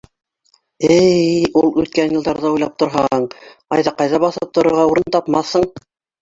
— Эй, ул үткән йылдарҙы уйлап торһаң, Айҙаҡайҙа баҫып торорға урын тапмаҫһың.